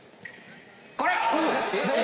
これ！